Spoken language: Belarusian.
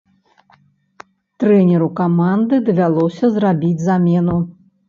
Трэнеру каманды давялося зрабіць замену.